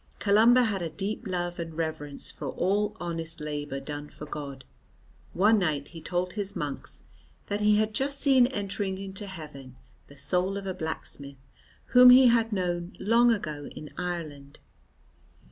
Columba had a deep love and reverence for all honest labour done for God. One night he told his monks that he had just seen entering into heaven the soul of a blacksmith whom he had known long ago in Ireland.